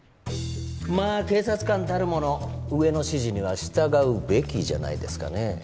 まあ警察官たるもの上の指示には従うべきじゃないですかね